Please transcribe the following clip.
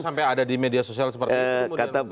sampai ada di media sosial seperti itu